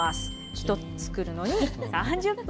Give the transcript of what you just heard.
１つ作るのに３０分。